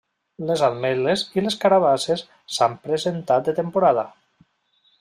Les ametles i les carabasses s’han presentat de temporada.